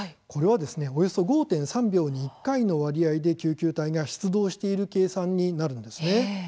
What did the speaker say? これは、およそ５．３秒に１回の割合で救急隊が出動している計算になるわけです。